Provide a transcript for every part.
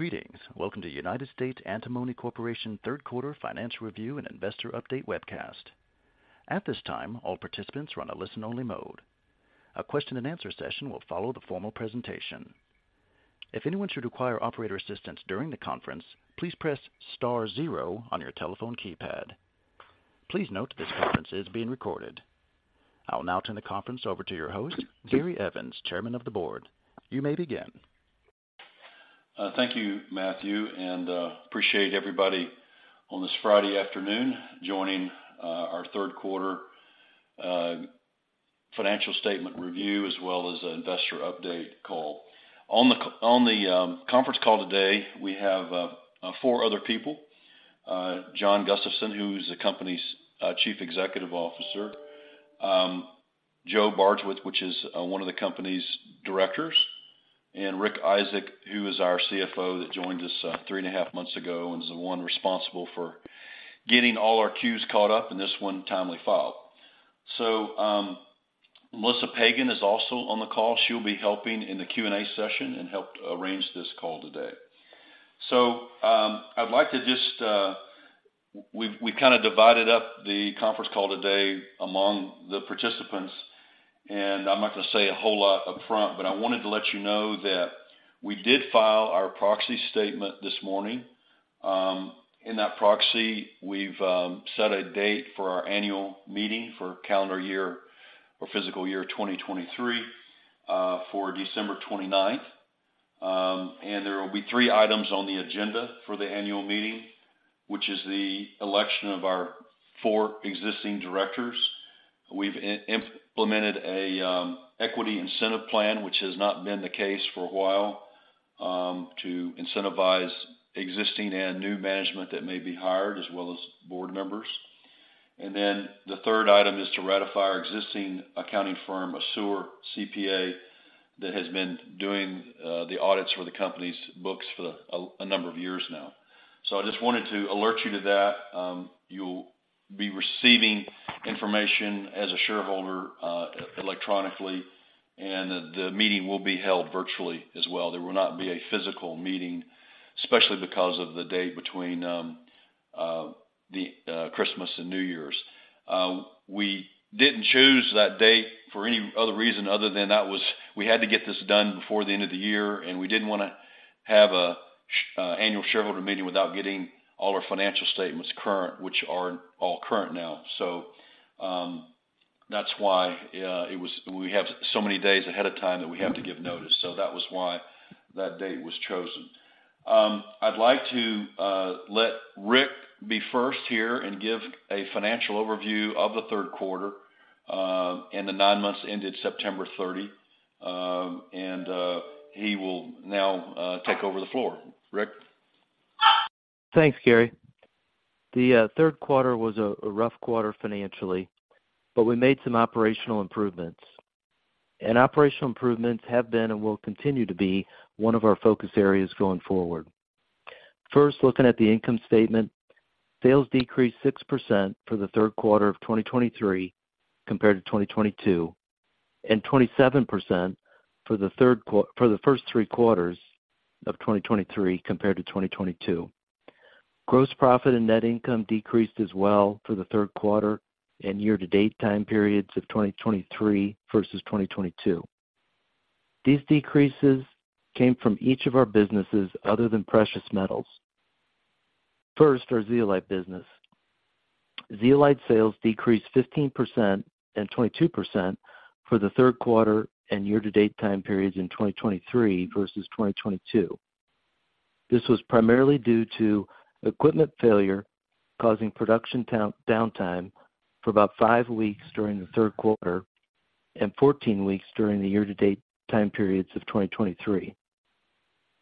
Greetings. Welcome to United States Antimony Corporation third quarter financial review and investor update webcast. At this time, all participants are on a listen-only mode. A question-and-answer session will follow the formal presentation. If anyone should require operator assistance during the conference, please press star zero on your telephone keypad. Please note, this conference is being recorded. I will now turn the conference over to your host, Gary Evans, Chairman of the Board. You may begin. Thank you, Matthew, and appreciate everybody on this Friday afternoon joining our third quarter financial statement review, as well as the investor update call. On the conference call today, we have four other people. John Gustavsen, who is the company's Chief Executive Officer, Joe Bardswich, which is one of the company's directors, and Rick Isaak, who is our CFO, that joined us 3.5 months ago, and is the one responsible for getting all our Qs caught up in this one timely file. So, Melissa Pagen is also on the call. She'll be helping in the Q&A session and helped arrange this call today. So, I'd like to just. We kinda divided up the conference call today among the participants, and I'm not gonna say a whole lot upfront, but I wanted to let you know that we did file our proxy statement this morning. In that proxy, we've set a date for our annual meeting for calendar year or fiscal year 2023, for December 29th. And there will be three items on the agenda for the annual meeting, which is the election of our four existing directors. We've implemented a equity incentive plan, which has not been the case for a while, to incentivize existing and new management that may be hired, as well as board members. And then the third item is to ratify our existing accounting firm, Assure CPA, that has been doing the audits for the company's books for a number of years now. So I just wanted to alert you to that. You'll be receiving information as a shareholder, electronically, and the meeting will be held virtually as well. There will not be a physical meeting, especially because of the date between Christmas and New Year's. We didn't choose that date for any other reason other than we had to get this done before the end of the year, and we didn't wanna have an annual shareholder meeting without getting all our financial statements current, which are all current now. So, that's why it was. We have so many days ahead of time that we have to give notice, so that was why that date was chosen. I'd like to let Rick be first here and give a financial overview of the third quarter and the nine months ended September 30th. He will now take over the floor. Rick? Thanks, Gary. The third quarter was a rough quarter financially, but we made some operational improvements. Operational improvements have been, and will continue to be, one of our focus areas going forward. First, looking at the income statement, sales decreased 6% for the third quarter of 2023 compared to 2022, and 27% for the first three quarters of 2023 compared to 2022. Gross profit and net income decreased as well for the third quarter and year-to-date time periods of 2023 versus 2022. These decreases came from each of our businesses other than precious metals. First, our zeolite business. Zeolite sales decreased 15% and 22% for the third quarter and year-to-date time periods in 2023 versus 2022. This was primarily due to equipment failure, causing production down, downtime for about 5 weeks during the third quarter and 14 weeks during the year-to-date time periods of 2023.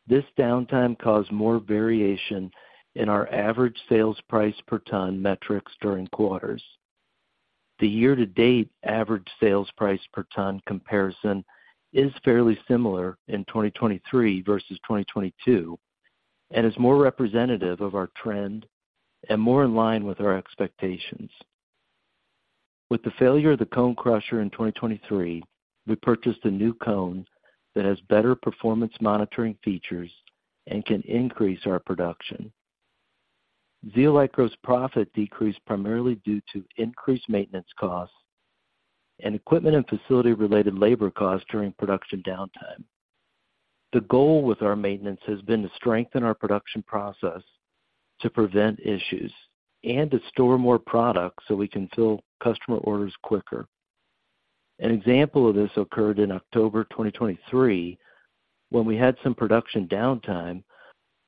This downtime caused more variation in our average sales price per ton metrics during quarters. The year-to-date average sales price per ton comparison is fairly similar in 2023 versus 2022, and is more representative of our trend and more in line with our expectations. With the failure of the cone crusher in 2023, we purchased a new cone that has better performance monitoring features and can increase our production. Zeolite gross profit decreased primarily due to increased maintenance costs and equipment and facility-related labor costs during production downtime. The goal with our maintenance has been to strengthen our production process, to prevent issues, and to store more products so we can fill customer orders quicker. An example of this occurred in October 2023, when we had some production downtime,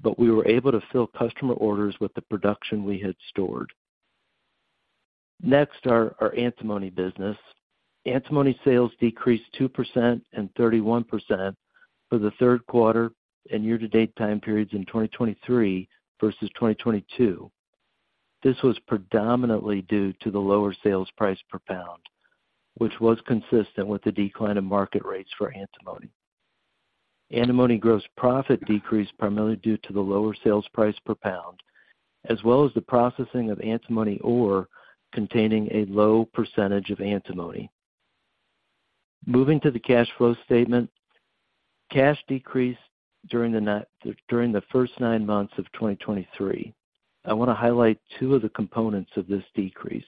but we were able to fill customer orders with the production we had stored. Next, our antimony business. Antimony sales decreased 2% and 31% for the third quarter and year-to-date time periods in 2023 versus 2022. This was predominantly due to the lower sales price per pound, which was consistent with the decline in market rates for antimony. Antimony gross profit decreased primarily due to the lower sales price per pound, as well as the processing of antimony ore containing a low percentage of antimony. Moving to the cash flow statement. Cash decreased during the first nine months of 2023. I wanna highlight two of the components of this decrease.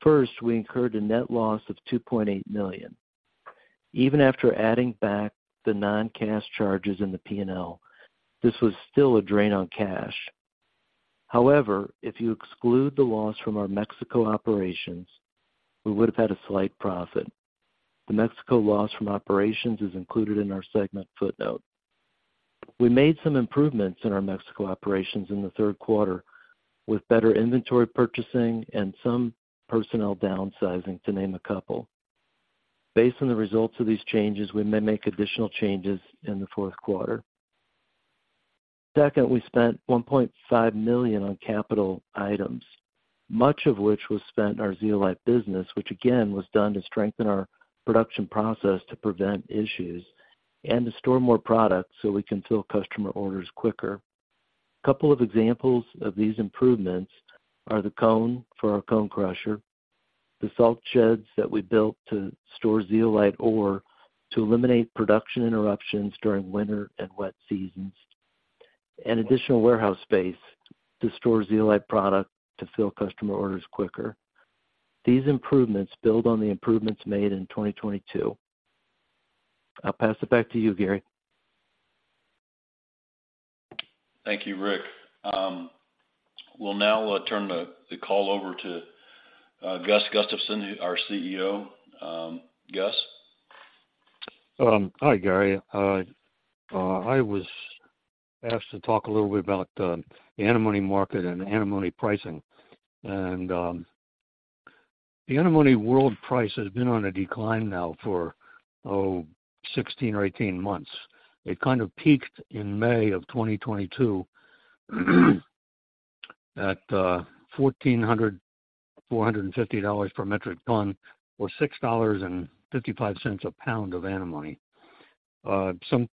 First, we incurred a net loss of $2.8 million. Even after adding back the non-cash charges in the P&L, this was still a drain on cash. However, if you exclude the loss from our Mexico operations, we would have had a slight profit. The Mexico loss from operations is included in our segment footnote. We made some improvements in our Mexico operations in the third quarter, with better inventory purchasing and some personnel downsizing, to name a couple. Based on the results of these changes, we may make additional changes in the fourth quarter. Second, we spent $1.5 million on capital items, much of which was spent in our zeolite business, which again, was done to strengthen our production process to prevent issues and to store more products so we can fill customer orders quicker. A couple of examples of these improvements are the cone for our cone crusher, the salt sheds that we built to store zeolite ore to eliminate production interruptions during winter and wet seasons, and additional warehouse space to store zeolite product to fill customer orders quicker. These improvements build on the improvements made in 2022. I'll pass it back to you, Gary. Thank you, Rick. We'll now turn the call over to Gus Gustavsen, our CEO. Gus? Hi, Gary. I was asked to talk a little bit about the antimony market and antimony pricing. The antimony world price has been on a decline now for 16 or 18 months. It kind of peaked in May 2022, at $1,450 per metric ton, or $6.55 a pound of antimony. Some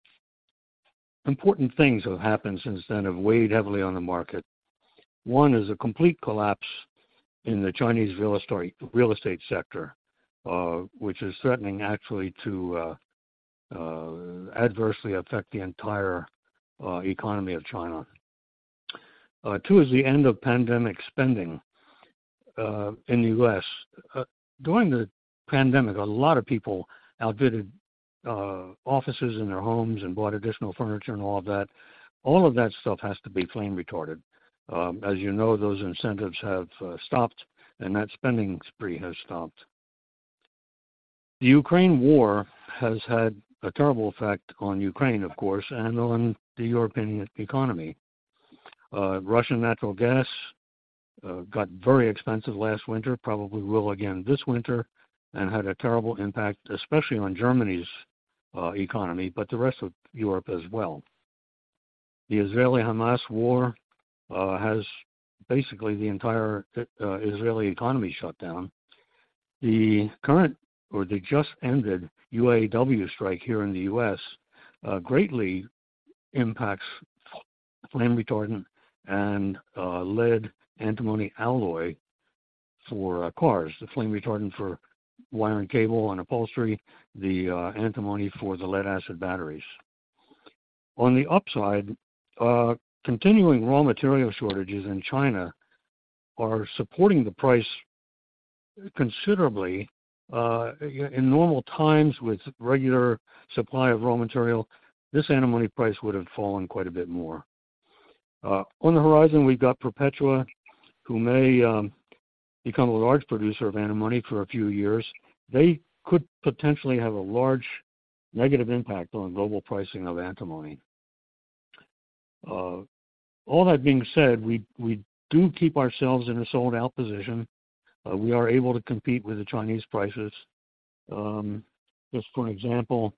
important things have happened since then, have weighed heavily on the market. One is a complete collapse in the Chinese real estate sector, which is threatening actually to adversely affect the entire economy of China. Two is the end of pandemic spending in the U.S. During the pandemic, a lot of people outfitted offices in their homes and bought additional furniture and all of that. All of that stuff has to be flame retardant. As you know, those incentives have stopped, and that spending spree has stopped. The Ukraine war has had a terrible effect on Ukraine, of course, and on the European economy. Russian natural gas got very expensive last winter, probably will again this winter, and had a terrible impact, especially on Germany's economy, but the rest of Europe as well. The Israeli-Hamas war has basically the entire Israeli economy shut down. The current or the just ended UAW strike here in the U.S. greatly impacts flame retardant and lead antimony alloy for cars. The flame retardant for wiring, cable, and upholstery, the antimony for the lead acid batteries. On the upside, continuing raw material shortages in China are supporting the price considerably. In normal times, with regular supply of raw material, this antimony price would have fallen quite a bit more. On the horizon, we've got Perpetua, who may become a large producer of antimony for a few years. They could potentially have a large negative impact on global pricing of antimony. All that being said, we do keep ourselves in a sold-out position. We are able to compete with the Chinese prices. Just for an example,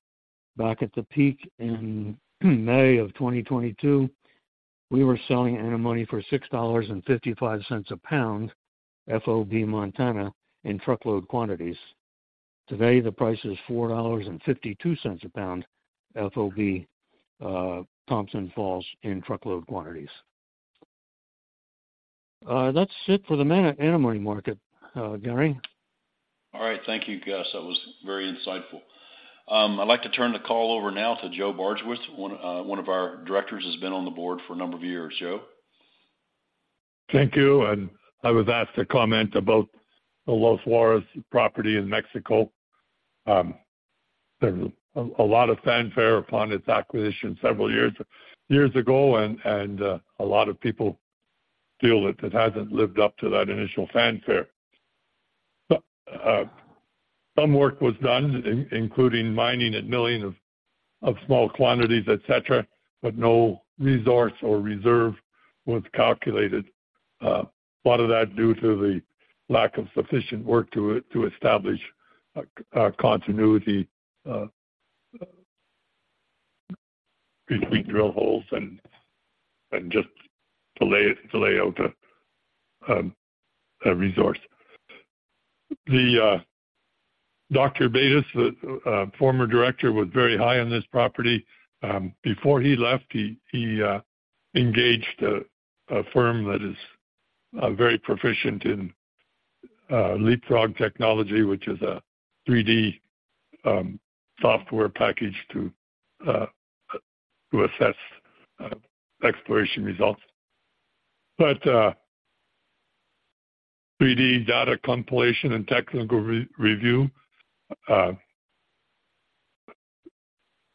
back at the peak in May 2022, we were selling antimony for $6.55 a pound, FOB Montana, in truckload quantities. Today, the price is $4.52 a pound, FOB Thompson Falls in truckload quantities. That's it for the antimony market, Gary. All right. Thank you, Gus. That was very insightful. I'd like to turn the call over now to Joe Bardswich, one of our directors, who's been on the board for a number of years. Joe? Thank you. I was asked to comment about the Los Juarez property in Mexico. There's a lot of fanfare upon its acquisition several years ago, and a lot of people feel that it hasn't lived up to that initial fanfare. Some work was done, including mining and milling of small quantities, et cetera, but no resource or reserve was calculated. A lot of that due to the lack of sufficient work to establish a continuity between drill holes and just to lay out a resource. Dr. Baitis, former director, was very high on this property. Before he left, he engaged a firm that is. I'm very proficient in Leapfrog technology, which is a 3D software package to assess exploration results. But 3D data compilation and technical review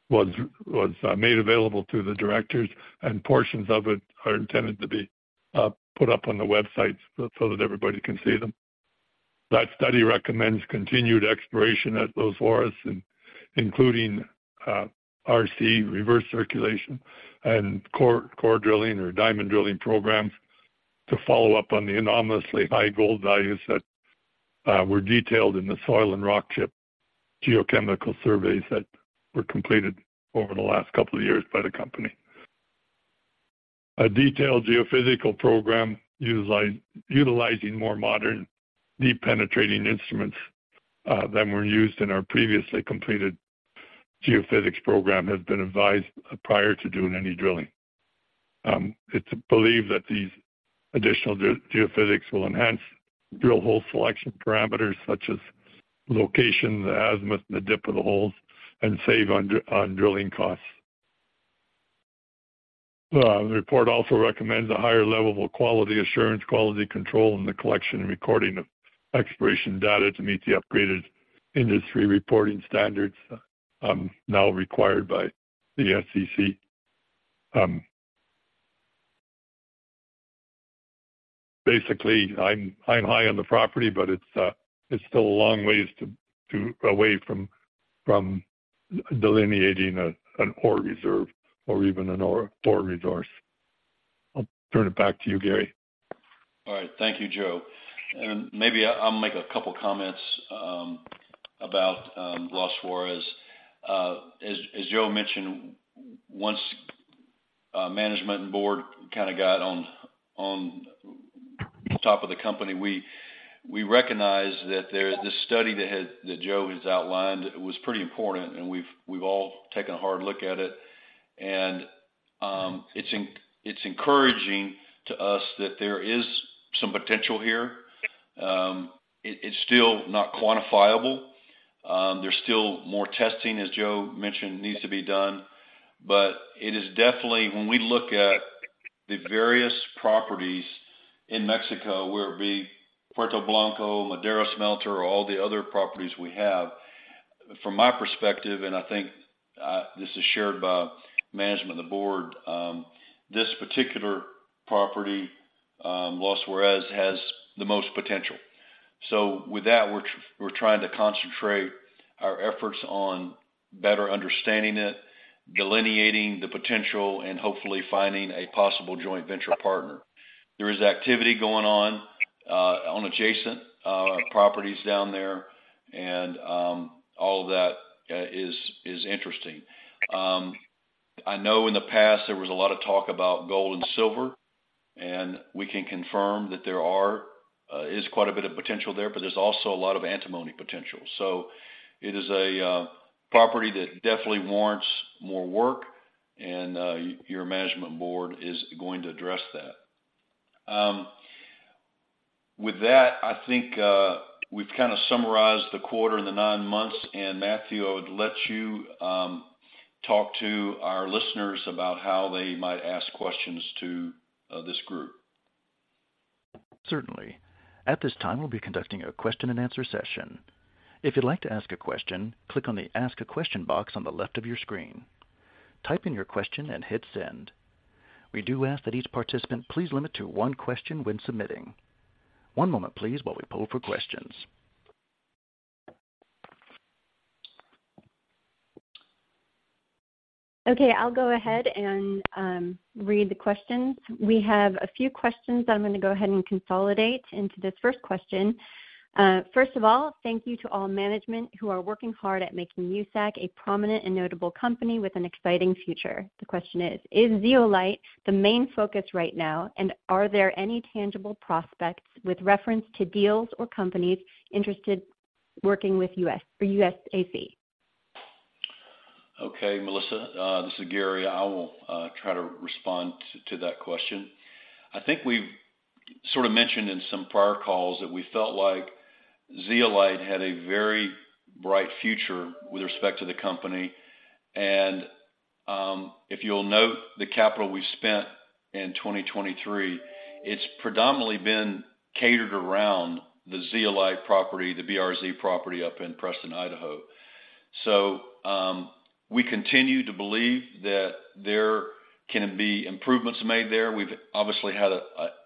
was made available to the directors, and portions of it are intended to be put up on the website so that everybody can see them. That study recommends continued exploration at Los Juarez, including RC, reverse circulation, and core drilling or diamond drilling programs, to follow up on the anomalously high gold values that were detailed in the soil and rock chip geochemical surveys that were completed over the last couple of years by the company. A detailed geophysical program utilizing more modern, deep penetrating instruments than were used in our previously completed geophysics program, has been advised prior to doing any drilling. It's believed that these additional geophysics will enhance drill hole selection parameters such as location, the azimuth, and the dip of the holes, and save on drilling costs. The report also recommends a higher level of quality assurance, quality control in the collection and recording of exploration data to meet the upgraded industry reporting standards, now required by the SEC. Basically, I'm high on the property, but it's still a long ways away from delineating an ore reserve or even an ore resource. I'll turn it back to you, Gary. All right. Thank you, Joe. Maybe I'll make a couple comments about Los Juarez. As Joe mentioned, once management and board kind of got on top of the company, we recognized that there. This study that Joe has outlined was pretty important, and we've all taken a hard look at it. It's encouraging to us that there is some potential here. It is still not quantifiable. There's still more testing, as Joe mentioned, needs to be done. But it is definitely, when we look at the various properties in Mexico, whether it be Puerto Blanco, Madero smelter, or all the other properties we have, from my perspective, and I think this is shared by management and the board, this particular property, Los Juarez, has the most potential. So with that, we're trying to concentrate our efforts on better understanding it, delineating the potential, and hopefully finding a possible joint venture partner. There is activity going on on adjacent properties down there, and all of that is interesting. I know in the past there was a lot of talk about gold and silver, and we can confirm that there is quite a bit of potential there, but there's also a lot of antimony potential. So it is a property that definitely warrants more work, and your management board is going to address that. With that, I think we've kind of summarized the quarter and the nine months, and Matthew, I would let you talk to our listeners about how they might ask questions to this group. Certainly. At this time, we'll be conducting a question-and-answer session. If you'd like to ask a question, click on the Ask a Question box on the left of your screen. Type in your question and hit Send. We do ask that each participant please limit to one question when submitting. One moment, please, while we poll for questions. Okay, I'll go ahead and read the questions. We have a few questions. I'm going to go ahead and consolidate into this first question. First of all, thank you to all management who are working hard at making USAC a prominent and notable company with an exciting future. The question is: Is zeolite the main focus right now, and are there any tangible prospects with reference to deals or companies interested working with U.S. for USAC? Okay, Melissa, this is Gary. I will try to respond to that question. I think we've sort of mentioned in some prior calls that we felt like zeolite had a very bright future with respect to the company. And if you'll note the capital we've spent in 2023, it's predominantly been catered around the zeolite property, the BRZ property up in Preston, Idaho. So we continue to believe that there can be improvements made there. We've obviously had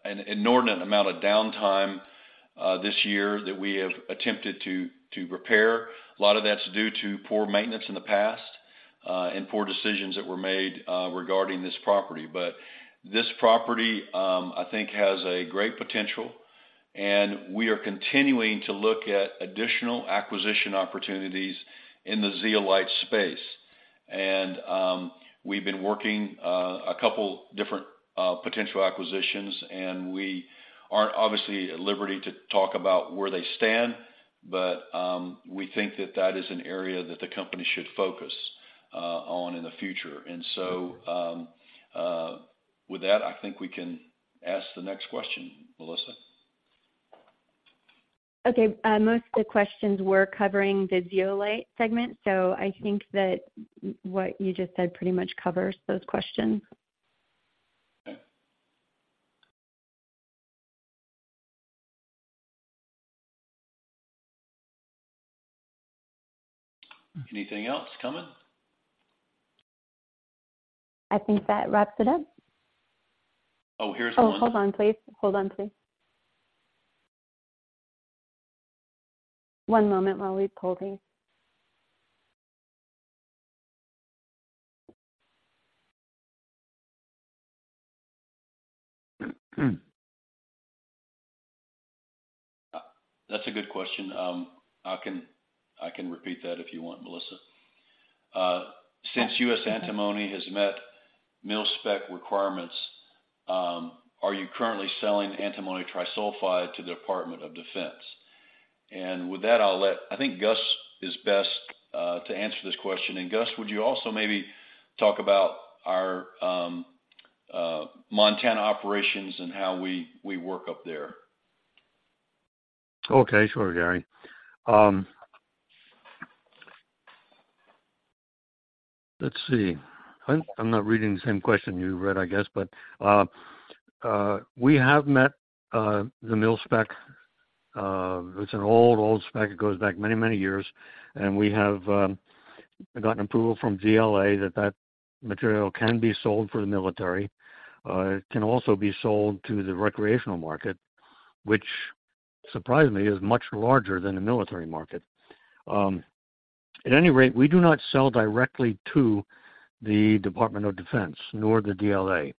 an inordinate amount of downtime this year that we have attempted to repair. A lot of that's due to poor maintenance in the past and poor decisions that were made regarding this property. But this property I think has a great potential, and we are continuing to look at additional acquisition opportunities in the zeolite space. And, we've been working a couple different potential acquisitions, and we aren't obviously at liberty to talk about where they stand, but, we think that that is an area that the company should focus on in the future. And so, with that, I think we can ask the next question, Melissa. Okay. Most of the questions were covering the zeolite segment, so I think that what you just said pretty much covers those questions. Okay. Anything else coming? I think that wraps it up. Oh, here's one. Oh, hold on, please. Hold on, please. One moment while we're polling. That's a good question. I can repeat that if you want, Melissa. Since U.S. Antimony has met mil-spec requirements, are you currently selling antimony trisulfide to the Department of Defense? With that, I'll let—I think Gus is best to answer this question. Gus, would you also maybe talk about our Montana operations and how we work up there? Okay. Sure, Gary. Let's see. I'm not reading the same question you read, I guess, but we have met the mil-spec. It's an old spec. It goes back many years, and we have gotten approval from DLA that that material can be sold for the military. It can also be sold to the recreational market, which surprisingly is much larger than the military market. At any rate, we do not sell directly to the Department of Defense, nor the DLA.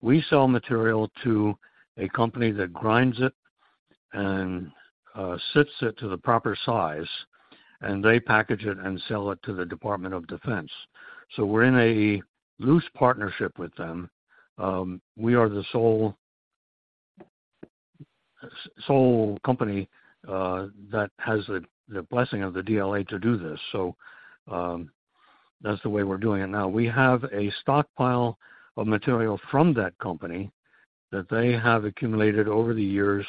We sell material to a company that grinds it and sifts it to the proper size, and they package it and sell it to the Department of Defense. So we're in a loose partnership with them. We are the sole company that has the blessing of the DLA to do this. So, that's the way we're doing it. Now, we have a stockpile of material from that company that they have accumulated over the years.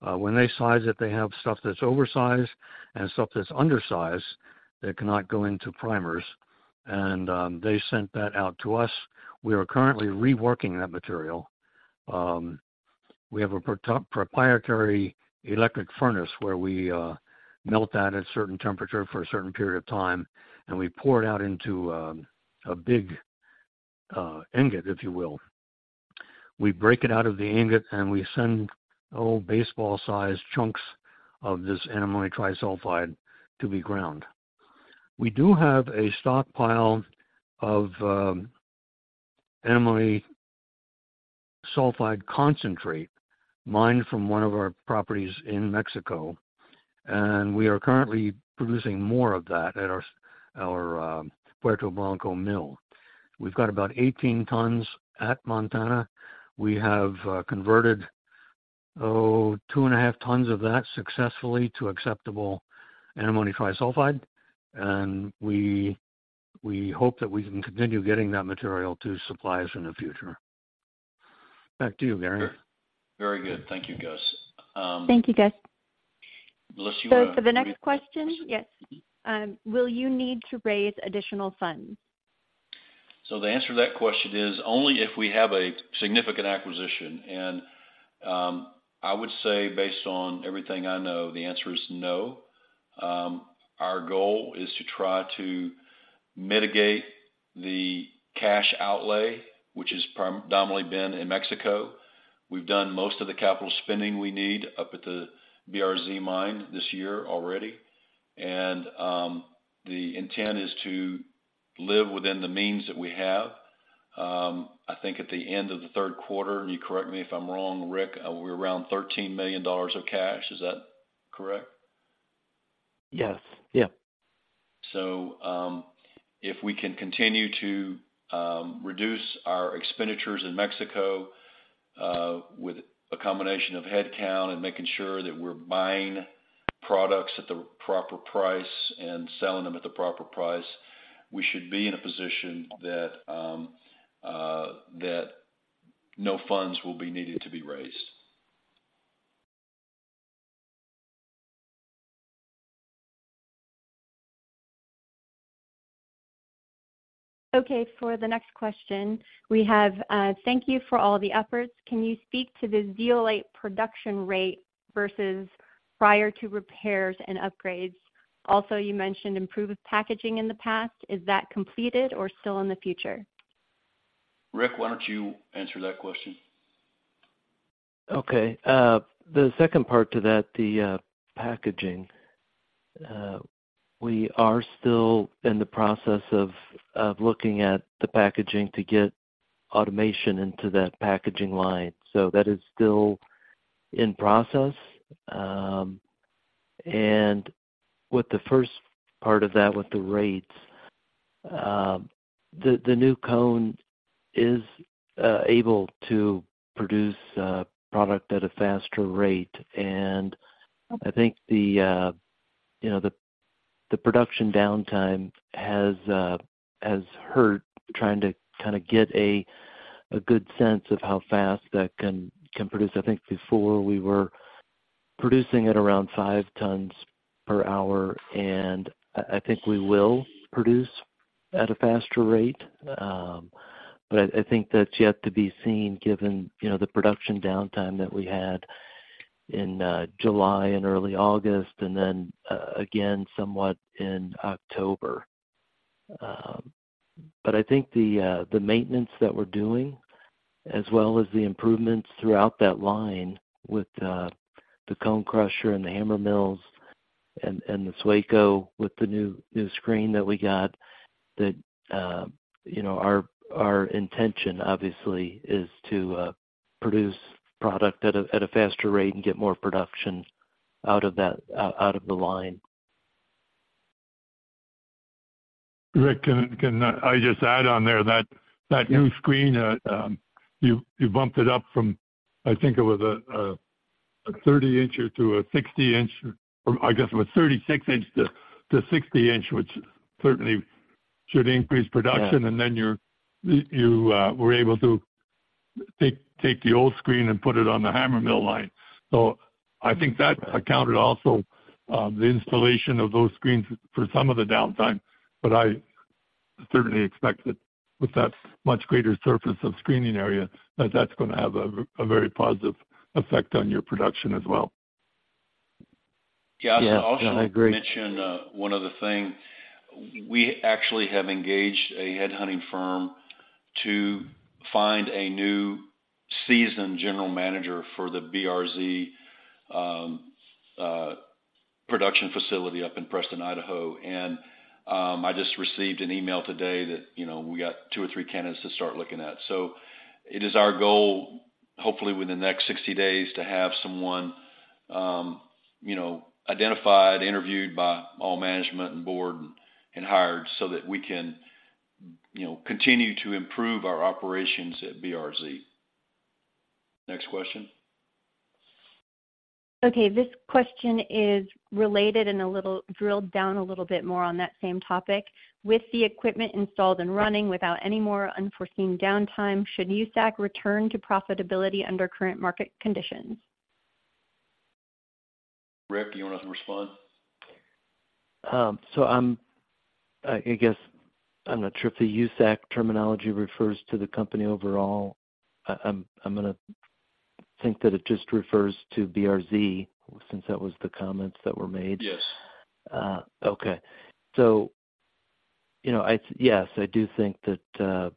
When they size it, they have stuff that's oversized and stuff that's undersized, that cannot go into primers. And they sent that out to us. We are currently reworking that material. We have a proprietary electric furnace where we melt that at a certain temperature for a certain period of time, and we pour it out into a big ingot, if you will. We break it out of the ingot, and we send old baseball-sized chunks of this antimony trisulfide to be ground. We do have a stockpile of antimony sulfide concentrate, mined from one of our properties in Mexico, and we are currently producing more of that at our Puerto Blanco mill. We've got about 18 tons at Montana. We have converted 2.5 tons of that successfully to acceptable antimony trisulfide, and we hope that we can continue getting that material to suppliers in the future. Back to you, Gary. Very good. Thank you, Gus. Thank you, Gus. Melissa, you wanna. For the next question. Yes. Will you need to raise additional funds? So the answer to that question is, only if we have a significant acquisition. And, I would say, based on everything I know, the answer is no. Our goal is to try to mitigate the cash outlay, which has predominantly been in Mexico. We've done most of the capital spending we need up at the BRZ mine this year already, and, the intent is to live within the means that we have. I think at the end of the third quarter, and you correct me if I'm wrong, Rick, we're around $13 million of cash. Is that correct? Yes. Yeah. If we can continue to reduce our expenditures in Mexico, with a combination of headcount and making sure that we're buying products at the proper price and selling them at the proper price, we should be in a position that no funds will be needed to be raised. Okay, for the next question we have: Thank you for all the efforts. Can you speak to the zeolite production rate versus prior to repairs and upgrades? Also, you mentioned improved packaging in the past. Is that completed or still in the future? Rick, why don't you answer that question? Okay. The second part to that, the packaging. We are still in the process of looking at the packaging to get automation into that packaging line. So that is still in process. And with the first part of that, with the rates, the new cone crusher is able to produce product at a faster rate. And I think the, you know, the production downtime has hurt, trying to kind of get a good sense of how fast that can produce. I think before we were producing at around 5 tons per hour, and I think we will produce at a faster rate. But I think that's yet to be seen, given, you know, the production downtime that we had in July and early August, and then again, somewhat in October. But I think the maintenance that we're doing, as well as the improvements throughout that line with the cone crusher and the hammer mills and the SWECO with the new screen that we got, you know, our intention obviously is to produce product at a faster rate and get more production out of that, out of the line. Rick, can I just add on there that that new screen, you bumped it up from, I think it was a 30-incher to a 60-inch. I guess it was 36-inch to 60-inch, which certainly should increase production. Yeah. And then you were able to take the old screen and put it on the hammer mill line. So I think that accounted also the installation of those screens for some of the downtime, but I certainly expect that with that much greater surface of screening area, that that's gonna have a very positive effect on your production as well. Yeah. Yeah, I agree. I'll also mention one other thing. We actually have engaged a headhunting firm to find a new seasoned general manager for the BRZ production facility up in Preston, Idaho. I just received an email today that, you know, we got two or three candidates to start looking at. It is our goal, hopefully, within the next 60 days, to have someone you know identified, interviewed by all management and board and hired so that we can, you know, continue to improve our operations at BRZ. Next question. Okay, this question is related and a little, drilled down a little bit more on that same topic: With the equipment installed and running without any more unforeseen downtime, should USAC return to profitability under current market conditions? Rick, do you want to respond? So, I guess I'm not sure if the USAC terminology refers to the company overall. I'm gonna think that it just refers to BRZ, since that was the comments that were made. Yes. Okay. So, you know, yes, I do think that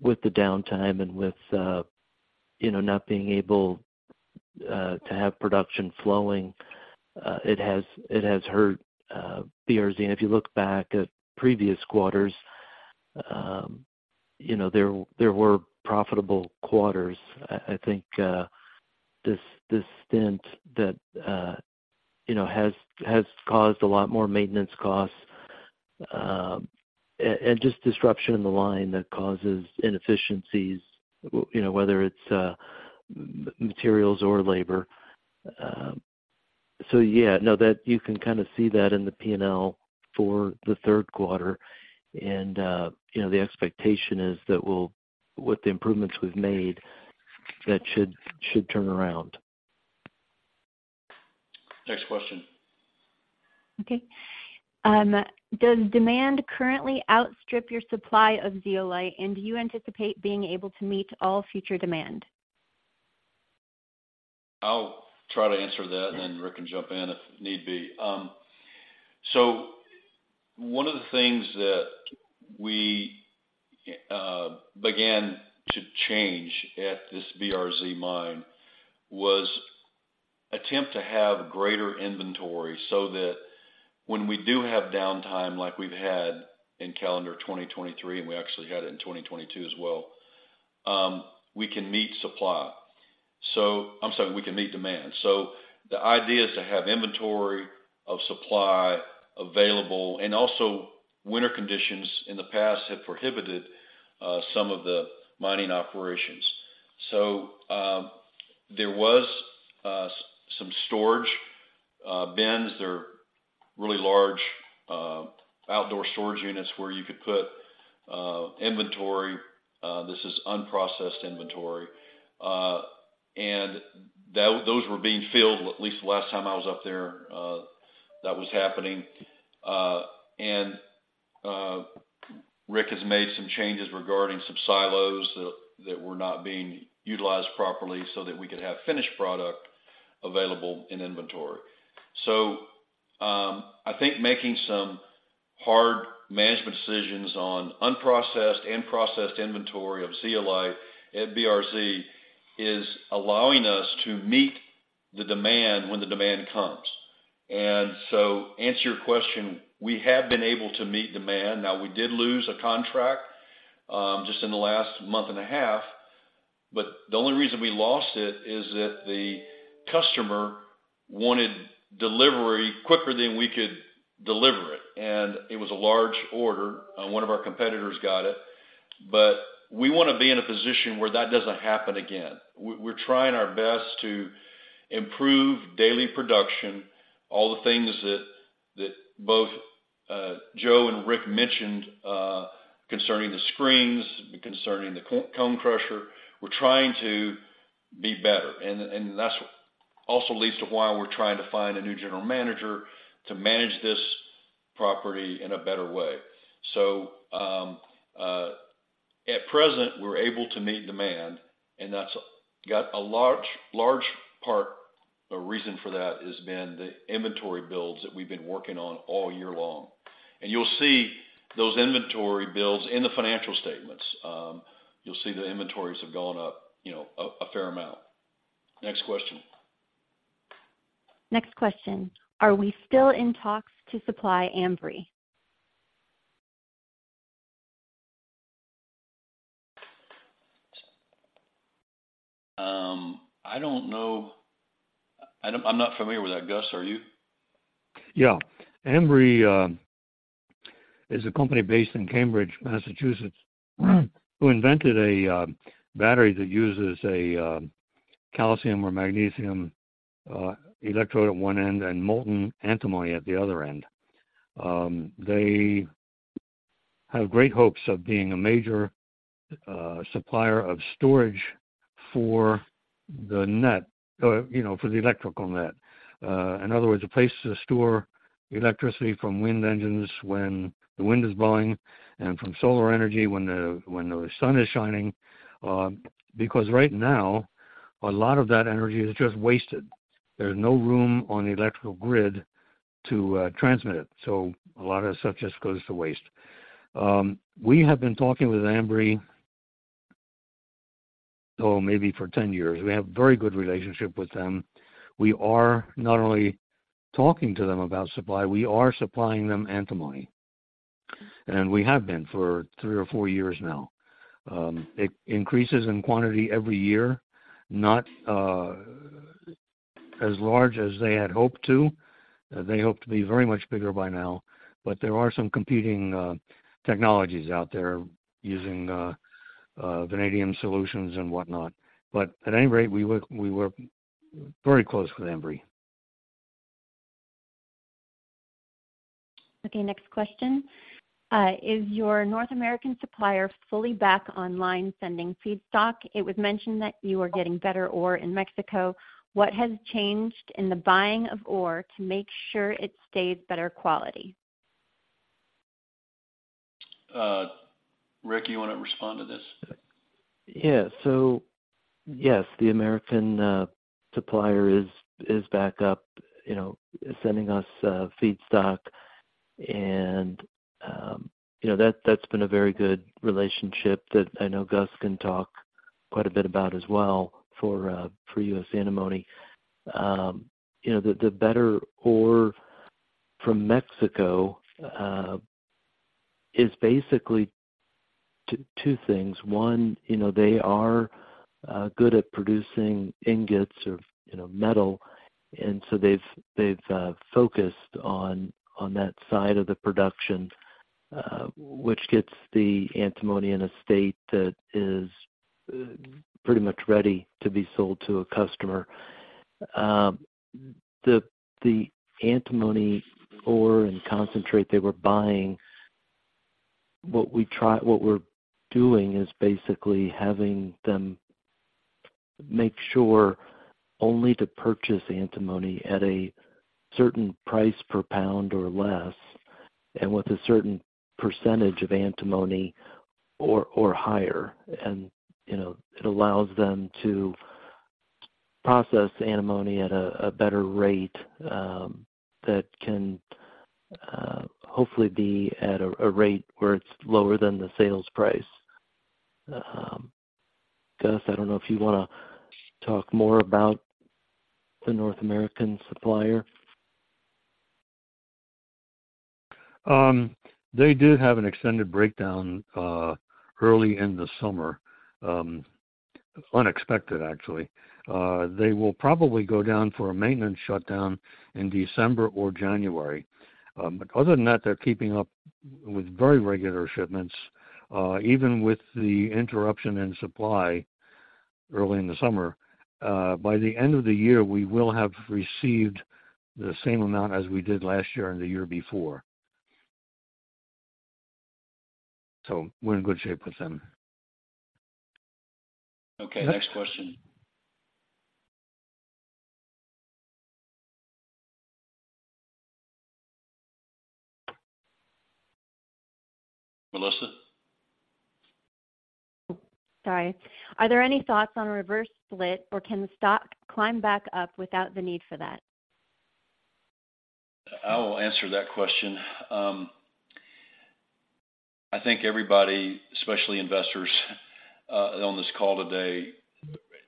with the downtime and with, you know, not being able to have production flowing, it has hurt BRZ. And if you look back at previous quarters, you know, there were profitable quarters. I think this stint that you know has caused a lot more maintenance costs and just disruption in the line that causes inefficiencies, you know, whether it's materials or labor. So yeah, no, you can kinda see that in the P&L for the third quarter. And you know, the expectation is that we'll, with the improvements we've made, that should turn around. Next question. Okay. Does demand currently outstrip your supply of zeolite, and do you anticipate being able to meet all future demand? I'll try to answer that, and then Rick can jump in if need be. So one of the things that we began to change at this BRZ mine was attempt to have greater inventory, so that when we do have downtime, like we've had in calendar 2023, and we actually had it in 2022 as well, we can meet supply. I'm sorry, we can meet demand. So the idea is to have inventory of supply available. And also, winter conditions in the past have prohibited some of the mining operations. So, there was some storage bins. They're really large outdoor storage units where you could put inventory. This is unprocessed inventory, and those were being filled, at least the last time I was up there, that was happening. Rick has made some changes regarding some silos that, that were not being utilized properly, so that we could have finished product available in inventory. So, I think making some hard management decisions on unprocessed and processed inventory of zeolite at BRZ is allowing us to meet the demand when the demand comes. And so to answer your question, we have been able to meet demand. Now, we did lose a contract just in the last month and a half. But the only reason we lost it is that the customer wanted delivery quicker than we could deliver it, and it was a large order, and one of our competitors got it. But we wanna be in a position where that doesn't happen again. We're trying our best to improve daily production, all the things that both Joe and Rick mentioned, concerning the screens, concerning the cone crusher. We're trying to be better, and that's also leads to why we're trying to find a new general manager to manage this property in a better way. So, at present, we're able to meet demand, and that's got a large, large part. The reason for that has been the inventory builds that we've been working on all year long. And you'll see those inventory builds in the financial statements. You'll see the inventories have gone up, you know, a fair amount. Next question. Next question, are we still in talks to supply Ambri? I don't know. I'm not familiar with that. Gus, are you? Yeah. Ambri is a company based in Cambridge, Massachusetts, who invented a battery that uses a calcium or magnesium electrode at one end and molten antimony at the other end. They have great hopes of being a major supplier of storage for the net, you know, for the electrical net. In other words, a place to store electricity from wind engines when the wind is blowing and from solar energy when the sun is shining. Because right now, a lot of that energy is just wasted. There's no room on the electrical grid to transmit it, so a lot of stuff just goes to waste. We have been talking with Ambri, oh, maybe for 10 years. We have a very good relationship with them. We are not only talking to them about supply, we are supplying them antimony, and we have been for 3 or 4 years now. It increases in quantity every year, not as large as they had hoped to. They hoped to be very much bigger by now, but there are some competing technologies out there using vanadium solutions and whatnot. But at any rate, we work, we work very close with Ambri. Okay, next question. Is your North American supplier fully back online, sending feedstock? It was mentioned that you are getting better ore in Mexico. What has changed in the buying of ore to make sure it stays better quality? Rick, you wanna respond to this? Yeah. So, yes, the American supplier is back up, you know, sending us feedstock. And, you know, that's been a very good relationship that I know Gus can talk quite a bit about as well for U.S. Antimony. You know, the better ore from Mexico is basically two things. One, you know, they are good at producing ingots or, you know, metal, and so they've focused on that side of the production, which gets the antimony in a state that is pretty much ready to be sold to a customer. The antimony ore and concentrate they were buying, what we're doing is basically having them make sure only to purchase antimony at a certain price per pound or less, and with a certain percentage of antimony or higher. And, you know, it allows them to process antimony at a better rate that can hopefully be at a rate where it's lower than the sales price. Gus, I don't know if you wanna talk more about the North American supplier. They did have an extended breakdown early in the summer, unexpected, actually. They will probably go down for a maintenance shutdown in December or January. Other than that, they're keeping up with very regular shipments, even with the interruption in supply early in the summer. By the end of the year, we will have received the same amount as we did last year and the year before. We're in good shape with them. Okay, next question. Melissa? Sorry. Are there any thoughts on a reverse split, or can the stock climb back up without the need for that? I will answer that question. I think everybody, especially investors, on this call today,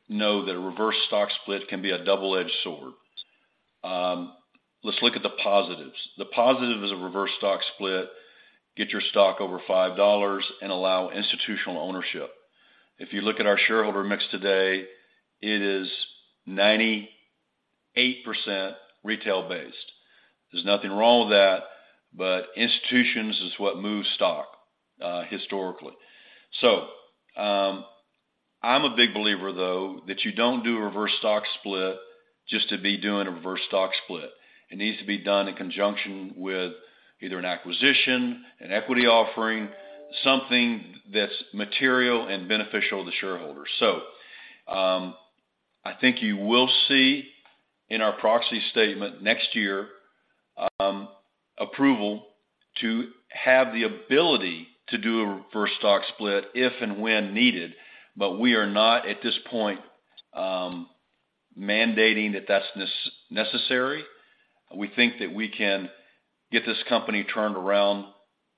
know that a reverse stock split can be a double-edged sword. Let's look at the positives. The positive is a reverse stock split, get your stock over $5, and allow institutional ownership. If you look at our shareholder mix today, it is 98% retail-based. There's nothing wrong with that, but institutions is what moves stock, historically. So, I'm a big believer, though, that you don't do a reverse stock split just to be doing a reverse stock split. It needs to be done in conjunction with either an acquisition, an equity offering, something that's material and beneficial to shareholders. So, I think you will see in our proxy statement next year, approval to have the ability to do a reverse stock split, if and when needed. But we are not, at this point, mandating that that's necessary. We think that we can get this company turned around,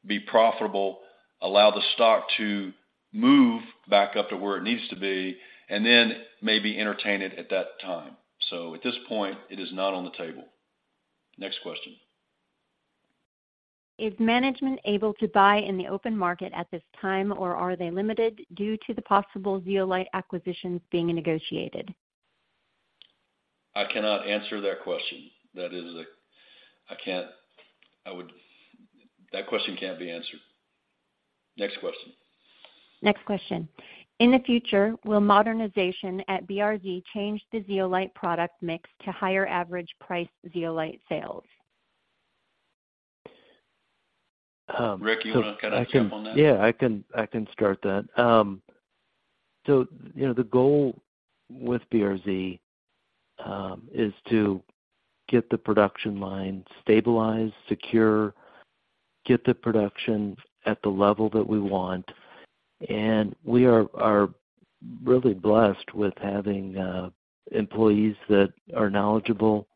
be profitable, allow the stock to move back up to where it needs to be, and then maybe entertain it at that time. So at this point, it is not on the table. Next question. Is management able to buy in the open market at this time, or are they limited due to the possible zeolite acquisitions being negotiated? I cannot answer that question. That question can't be answered. Next question. Next question, in the future, will modernization at BRZ change the zeolite product mix to higher average price zeolite sales? Rick, you want to kind of jump on that? Yeah, I can, I can start that. So, you know, the goal with BRZ is to get the production line stabilized, secure, get the production at the level that we want. And we are really blessed with having employees that are knowledgeable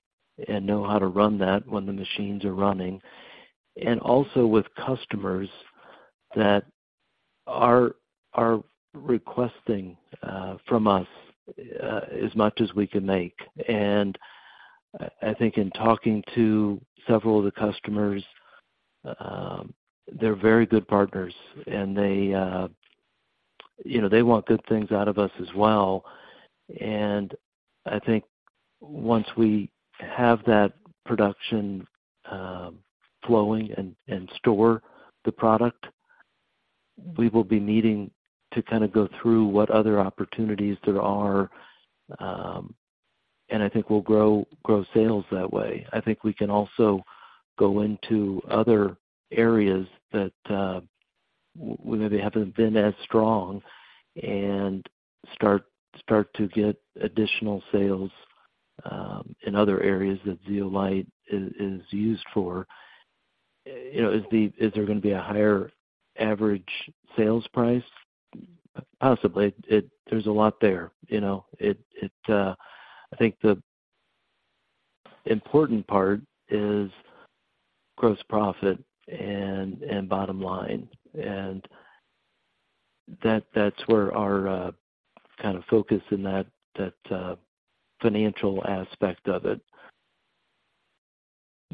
and know how to run that when the machines are running, and also with customers that are requesting from us as much as we can make. And I think in talking to several of the customers, they're very good partners, and they, you know, they want good things out of us as well. And I think once we have that production flowing and store the product, we will be needing to kind of go through what other opportunities there are, and I think we'll grow sales that way. I think we can also go into other areas that where maybe haven't been as strong and start to get additional sales in other areas that zeolite is used for. You know, is there going to be a higher average sales price? Possibly. It—There's a lot there, you know. It, it—I think the important part is gross profit and bottom line, and that's where our kind of focus in that financial aspect of it.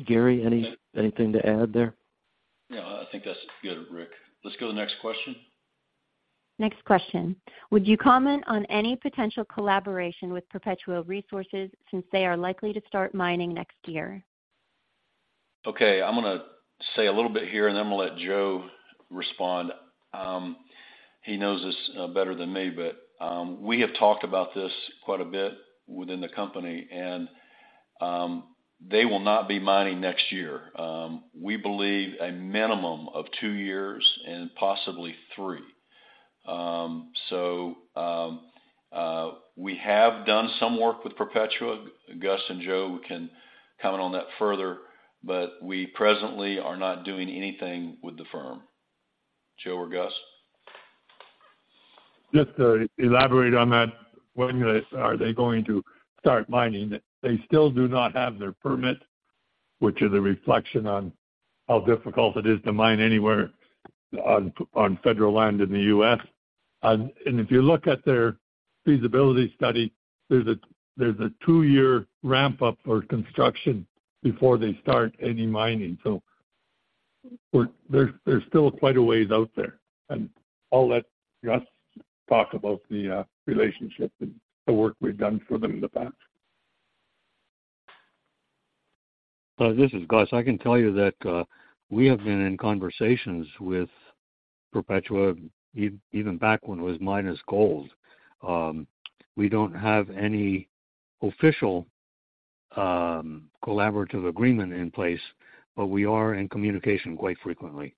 Gary, anything to add there? No, I think that's good, Rick. Let's go to the next question. Next question: Would you comment on any potential collaboration with Perpetua Resources since they are likely to start mining next year? Okay. I'm gonna say a little bit here, and then we'll let Joe respond. He knows this better than me, but we have talked about this quite a bit within the company, and they will not be mining next year. We believe a minimum of two years and possibly three. So, we have done some work with Perpetua. Gus and Joe can comment on that further, but we presently are not doing anything with the firm. Joe or Gus? Just to elaborate on that, when are they going to start mining? They still do not have their permit, which is a reflection on how difficult it is to mine anywhere on federal land in the U.S. And if you look at their feasibility study, there's a two-year ramp-up for construction before they start any mining. So, there's, they're still quite a ways out there, and I'll let Gus talk about the relationship and the work we've done for them in the past. This is Gus. I can tell you that we have been in conversations with Perpetua, even back when it was Midas Gold. We don't have any official collaborative agreement in place, but we are in communication quite frequently.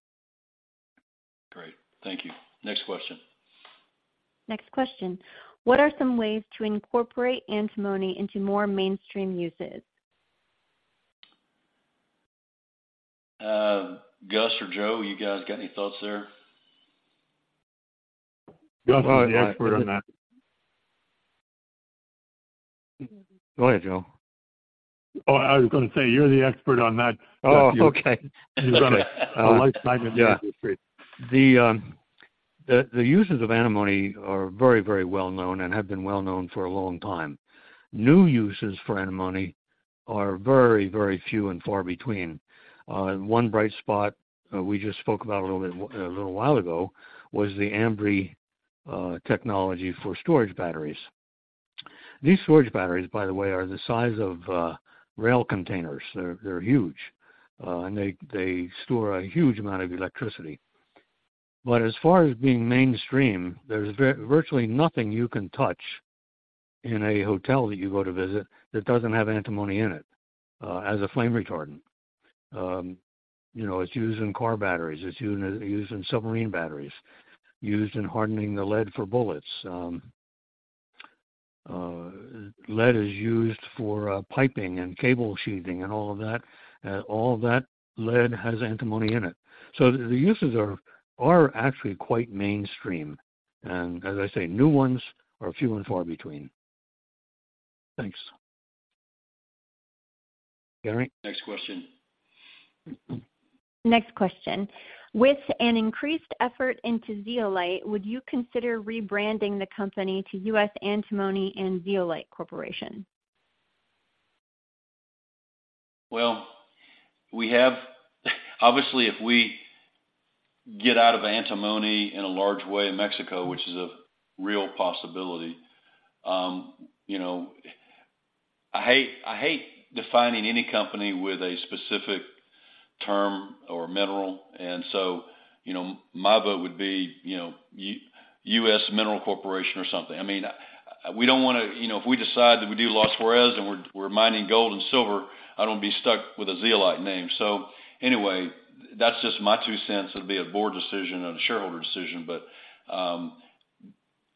Great. Thank you. Next question. Next question, what are some ways to incorporate antimony into more mainstream uses? Gus or Joe, you guys got any thoughts there? Gus is the expert on that. Go ahead, Joe. Oh, I was gonna say, you're the expert on that. Oh, okay. You've done it a lifetime in the industry. The. The uses of antimony are very, very well known and have been well known for a long time. New uses for antimony are very, very few and far between. One bright spot, we just spoke about a little bit, a little while ago, was the Ambri technology for storage batteries. These storage batteries, by the way, are the size of rail containers. They're huge, and they store a huge amount of electricity. But as far as being mainstream, there's virtually nothing you can touch in a hotel that you go to visit that doesn't have antimony in it, as a flame retardant. You know, it's used in car batteries, it's used in submarine batteries, used in hardening the lead for bullets. Lead is used for piping and cable sheathing and all of that. All that lead has antimony in it. So the uses are actually quite mainstream, and as I say, new ones are few and far between. Thanks. Gary? Next question. Next question: With an increased effort into zeolite, would you consider rebranding the company to U.S. Antimony and Zeolite Corporation? Well, we have obviously, if we get out of antimony in a large way in Mexico, which is a real possibility, you know, I hate, I hate defining any company with a specific term or mineral, and so, you know, my vote would be, you know, US Mineral Corporation or something. I mean, we don't wanna—you know, if we decide that we do Los Juarez, and we're mining gold and silver, I don't want to be stuck with a zeolite name. So anyway, that's just my two cents. It'll be a board decision and a shareholder decision, but,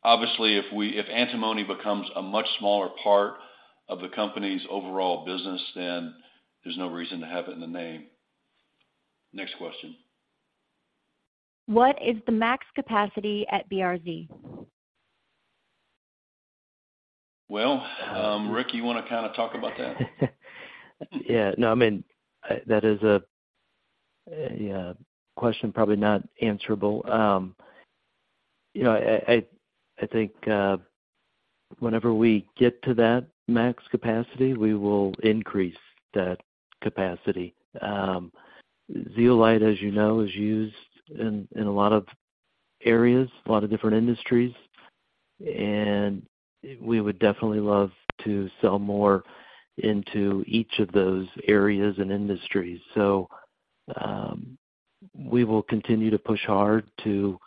obviously, if we—if antimony becomes a much smaller part of the company's overall business, then there's no reason to have it in the name. Next question. What is the max capacity at BRZ? Well, Rick, you wanna kind of talk about that? Yeah. No, I mean, that is a question probably not answerable. You know, I think whenever we get to that max capacity, we will increase that capacity. Zeolite, as you know, is used in a lot of areas, a lot of different industries, and we would definitely love to sell more into each of those areas and industries. So, we will continue to push hard to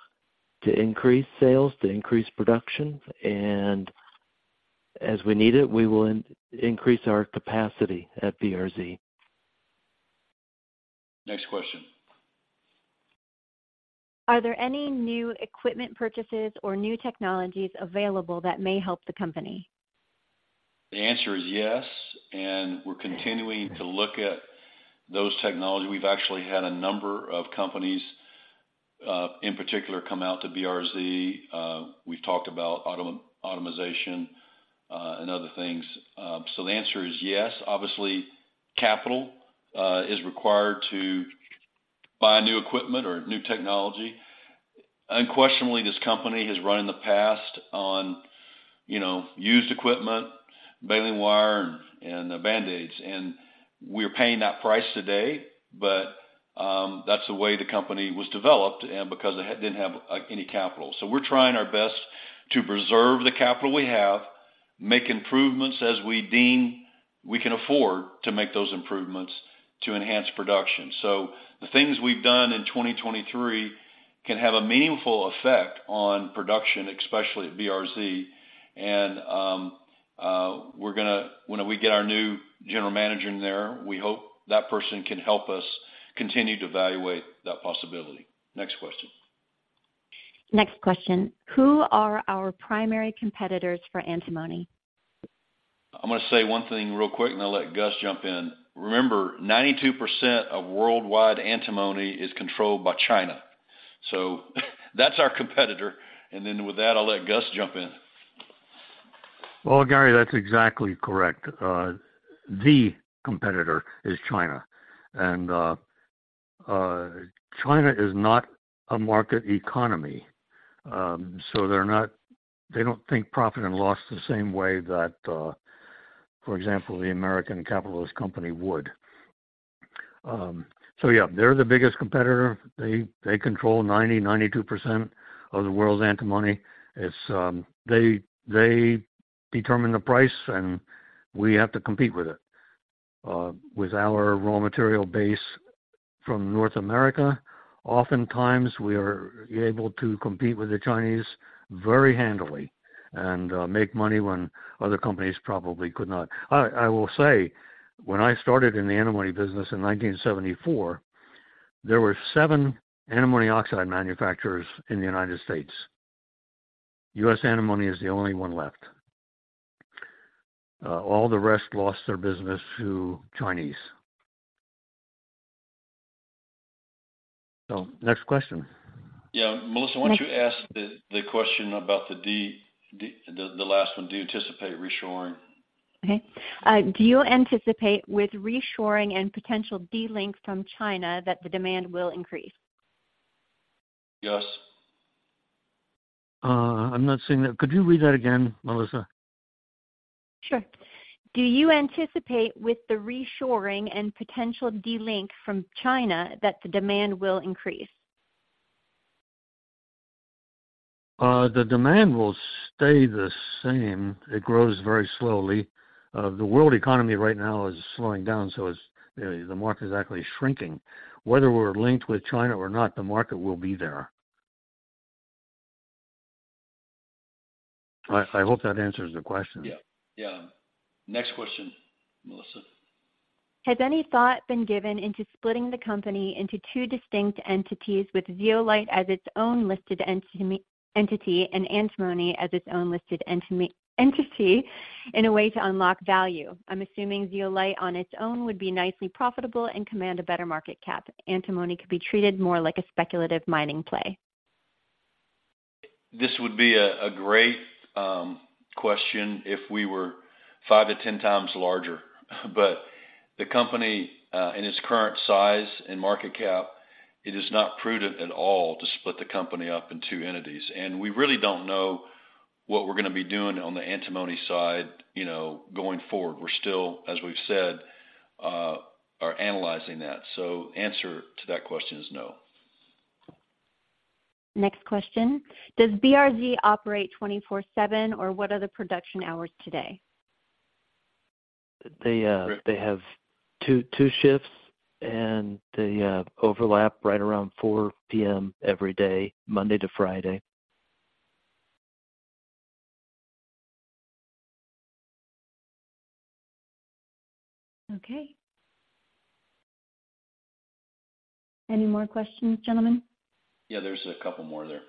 increase sales, to increase production, and as we need it, we will increase our capacity at BRZ. Next question. Are there any new equipment purchases or new technologies available that may help the company? The answer is yes, and we're continuing to look at those technologies. We've actually had a number of companies, in particular, come out to BRZ. We've talked about automation, and other things. So the answer is yes. Obviously, capital is required to buy new equipment or new technology. Unquestionably, this company has run in the past on, you know, used equipment, baling wire and band-aids, and we're paying that price today, but that's the way the company was developed and because it had, didn't have, any capital. So we're trying our best to preserve the capital we have, make improvements as we deem we can afford to make those improvements to enhance production. So the things we've done in 2023 can have a meaningful effect on production, especially at BRZ. We're gonna, when we get our new general manager in there, we hope that person can help us continue to evaluate that possibility. Next question. Next question: Who are our primary competitors for antimony? I'm gonna say one thing real quick, and I'll let Gus jump in. Remember, 92% of worldwide antimony is controlled by China, so that's our competitor. And then with that, I'll let Gus jump in. Well, Gary, that's exactly correct. The competitor is China, and China is not a market economy. So they're not—they don't think profit and loss the same way that, for example, the American capitalist company would. So yeah, they're the biggest competitor. They, they control 90%-92% of the world's antimony. It's, they, they determine the price, and we have to compete with it. With our raw material base from North America, oftentimes we are able to compete with the Chinese very handily and make money when other companies probably could not. I, I will say, when I started in the antimony business in 1974, there were seven antimony oxide manufacturers in the United States. U.S. Antimony is the only one left. All the rest lost their business to Chinese. So next question. Yeah, Melissa, why don't you ask the question about the last one. Do you anticipate reshoring? Okay. Do you anticipate with reshoring and potential delink from China, that the demand will increase? Yes. I'm not seeing that. Could you read that again, Melissa? Sure. Do you anticipate with the reshoring and potential delink from China, that the demand will increase? The demand will stay the same. It grows very slowly. The world economy right now is slowing down, so it's the market is actually shrinking. Whether we're linked with China or not, the market will be there. I, I hope that answers the question. Yeah. Yeah. Next question, Melissa. Has any thought been given into splitting the company into two distinct entities, with zeolite as its own listed entity, and antimony as its own listed entity, in a way to unlock value? I'm assuming zeolite on its own would be nicely profitable and command a better market cap. Antimony could be treated more like a speculative mining play. This would be a great question if we were 5x-10x larger. But the company, in its current size and market cap, it is not prudent at all to split the company up in 2 entities. And we really don't know what we're gonna be doing on the antimony side, you know, going forward. We're still, as we've said, are analyzing that. So answer to that question is no. Next question: Does BRZ operate 24/7, or what are the production hours today? They, they have 2, 2 shifts, and they overlap right around 4:00 P.M. every day, Monday to Friday. Okay. Any more questions, gentlemen? Yeah, there's a couple more there.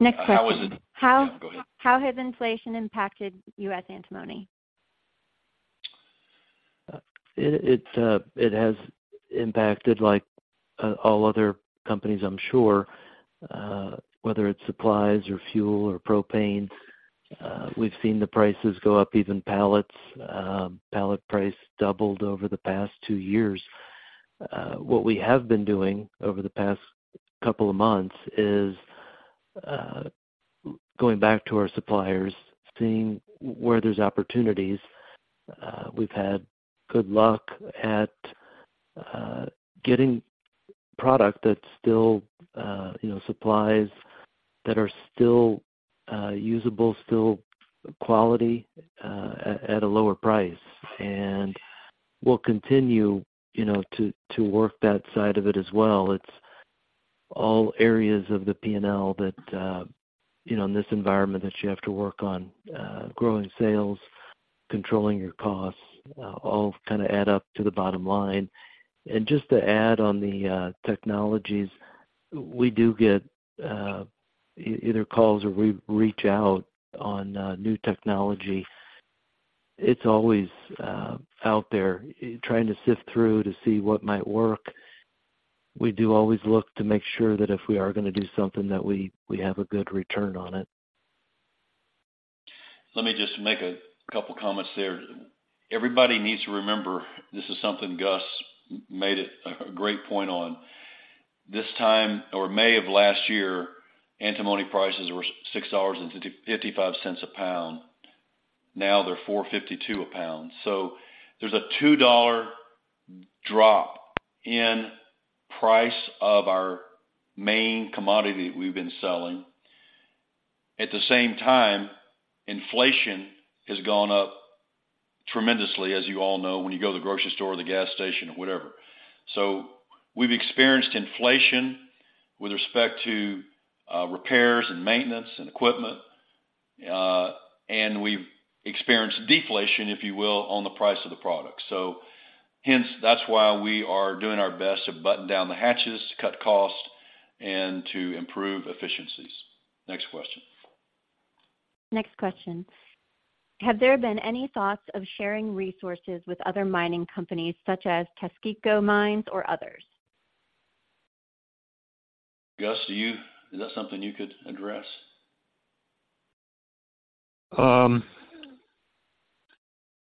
Next question. How is it. How. Yeah, go ahead. How has inflation impacted U.S. Antimony? It's impacted like all other companies I'm sure, whether it's supplies or fuel or propane. We've seen the prices go up, even pallets. Pallet price doubled over the past two years. What we have been doing over the past couple of months is going back to our suppliers, seeing where there's opportunities. We've had good luck at getting product that's still, you know, supplies that are still usable, still quality at a lower price. And we'll continue, you know, to work that side of it as well. It's all areas of the P&L that, you know, in this environment, that you have to work on, growing sales, controlling your costs, all kind of add up to the bottom line. And just to add on the technologies, we do get either calls or we reach out on new technology. It's always out there, trying to sift through to see what might work. We do always look to make sure that if we are gonna do something, that we have a good return on it. Let me just make a couple comments there. Everybody needs to remember, this is something Gus made a great point on. In May of last year, antimony prices were $6.55 a pound. Now they're $4.52 a pound, so there's a $2 drop in price of our main commodity we've been selling. At the same time, inflation has gone up tremendously, as you all know, when you go to the grocery store or the gas station or whatever. So we've experienced inflation with respect to repairs and maintenance and equipment, and we've experienced deflation, if you will, on the price of the product. So hence, that's why we are doing our best to button down the hatches, cut costs, and to improve efficiencies. Next question. Next question, have there been any thoughts of sharing resources with other mining companies, such as Taseko Mines or others? Gus, is that something you could address? Well,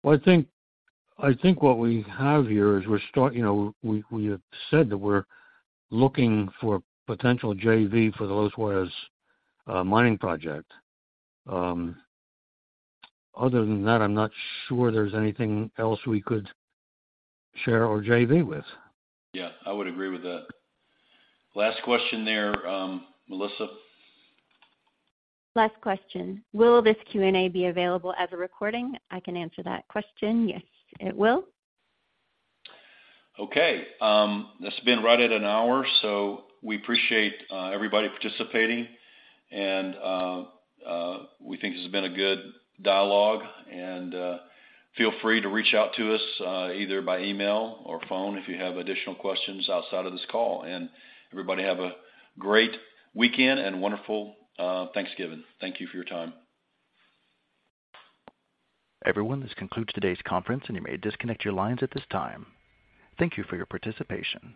I think what we have here is—you know, we have said that we're looking for potential JV for the Los Juarez mining project. Other than that, I'm not sure there's anything else we could share or JV with. Yeah, I would agree with that. Last question there, Melissa. Last question, will this Q&A be available as a recording? I can answer that question. Yes, it will. Okay, that's been right at an hour, so we appreciate everybody participating, and we think this has been a good dialogue. Feel free to reach out to us, either by email or phone if you have additional questions outside of this call. Everybody, have a great weekend and wonderful Thanksgiving. Thank you for your time. Everyone, this concludes today's conference, and you may disconnect your lines at this time. Thank you for your participation.